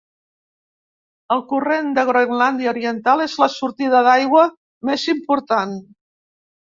El corrent de Groenlàndia Oriental és la sortida d'aigua més important.